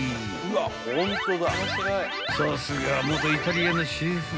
［さすがは元イタリアンのシェフ］